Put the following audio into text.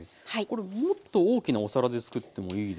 もっと大きなお皿でつくってもいいですか？